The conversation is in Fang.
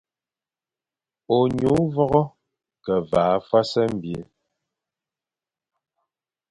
Ônyu vogho ke vaʼa fwas mbil.